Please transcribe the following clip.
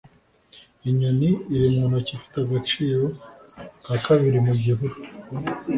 Inyoni iri mu ntoki ifite agaciro ka kabiri mu gihuru